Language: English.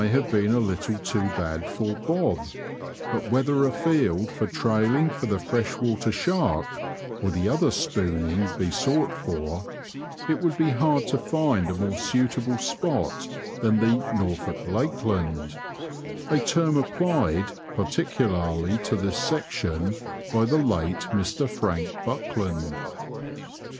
189 have been a Utile too bad for '< Bob," bat whether a field ibr trailing for the fresh water shark, or &e other *' spooning " be sought for, it would be hard to find a more suitable ^^t than the '' Norfolk Lakeland," a term applied particu larly to this section by the late Mr Frank Buckland.